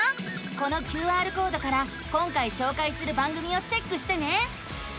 このＱＲコードから今回しょうかいする番組をチェックしてね。